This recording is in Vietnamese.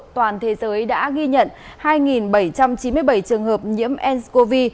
toàn thế giới đã ghi nhận hai bảy trăm chín mươi bảy trường hợp nhiễm ncov